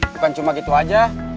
bukan cuma gitu aja